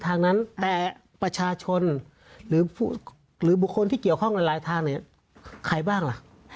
แต่ประชาชนหรือบุคคลที่เกี่ยวข้องในหลายทางนี้ใครบ้างล่ะ